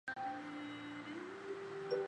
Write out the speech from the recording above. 英文虎报的广告也曾经以此为拍摄场地。